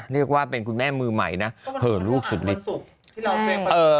เรียกว่าเป็นคุณแม่มือใหม่นะเผลอลูกสุดฤทธิ์